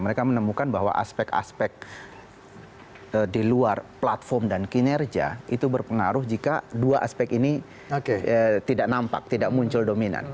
mereka menemukan bahwa aspek aspek di luar platform dan kinerja itu berpengaruh jika dua aspek ini tidak nampak tidak muncul dominan